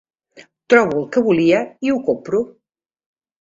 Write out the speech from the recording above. Trobo el que volia i ho compro.